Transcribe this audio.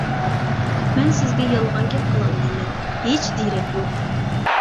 مەن سىزگە يالغان گەپ قىلالمايمەن، ھېچ دېرەك يوق!